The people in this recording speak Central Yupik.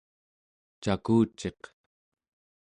cakuciq